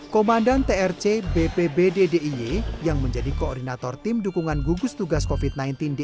komandan trc bpbddiy yang menjadi koordinator tim dukungan gugus tugas covid sembilan belas di